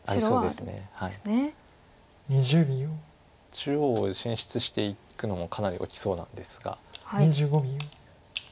中央を進出していくのもかなり大きそうなんですが。